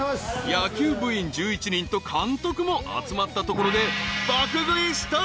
［野球部員１１人と監督も集まったところで］